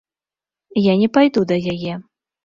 Я не пайду да яе.